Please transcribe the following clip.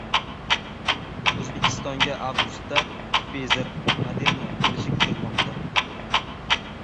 O‘zbekistonga avgustda Pfizer, Moderna kelishi kutilmoqda